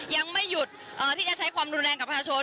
ยังไม่หยุดที่จะใช้ความรุนแรงกับประชาชน